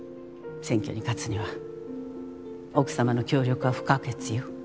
選挙に勝つには奥様の協力は不可欠よ。